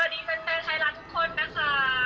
สวัสดีแฟนไทยรัฐทุกคนนะคะ